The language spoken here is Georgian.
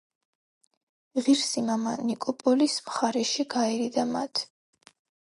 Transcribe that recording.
ღირსი მამა ნიკოპოლის მხარეში გაერიდა მათ.